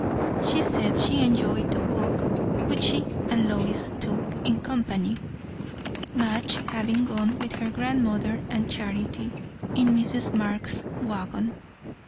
She said she enjoyed the walk, which she and Lois took in company, Madge having gone with her grandmother and Charity in Mrs. Marx's waggon.